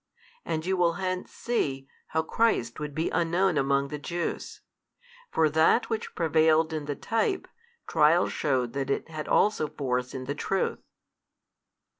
and you will hence see, how Christ would be unknown among the Jews. For that which prevailed in the type, trial shewed that it had also force in the truth.